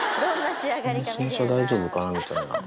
この新車、大丈夫かなみたいな。